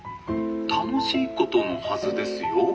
「楽しいことのはずですよ」。